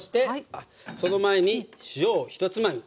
あっその前に塩を１つまみ。